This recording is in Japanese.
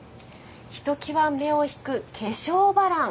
ひときわ目を引く化粧バラン。